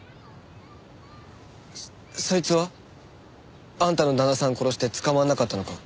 そそいつは？あんたの旦那さん殺して捕まらなかったのか？